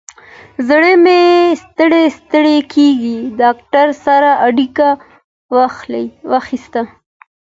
زړه مې ستړی ستړي کیږي، ډاکتر سره اړیکه ونیسه